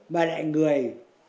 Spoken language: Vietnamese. mà lại người